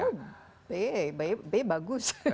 oh b b bagus